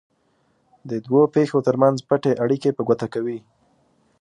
د دوو پېښو ترمنځ پټې اړیکې په ګوته کوي.